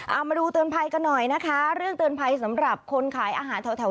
เอามาดูเตือนภัยกันหน่อยนะคะเรื่องเตือนภัยสำหรับคนขายอาหารแถวแถว